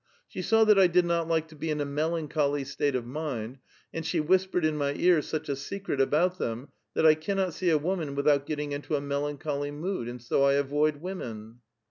'' Siio saw that I <lid not like to be in a melancholj' state of niiiuU anil she whi8{)cre<l in my ear such a secret about tliLMU, that I cannot set* a woman without getting into a mel ancholy nitKxl, and so 1 avoid women."